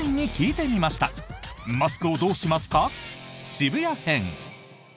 渋谷編。